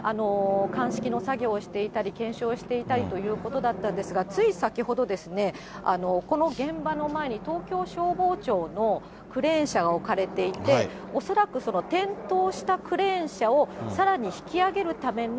鑑識の作業をしていたり、検証していたりということだったんですが、つい先ほど、この現場の前に東京消防庁のクレーン車が置かれていて、恐らく転倒したクレーン車をさらに引き上げるための